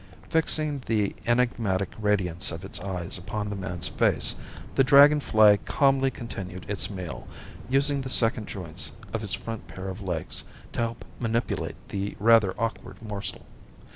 Fixing the enigmatic radiance of its eyes upon the man's face, the dragon fly calmly continued its meal, using the second joints of its front pair of legs to help manipulate the rather awkward morsel.